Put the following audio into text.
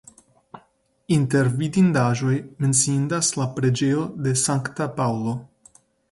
Inter vidindaĵoj menciindas la preĝejo de Sankta Paŭlo.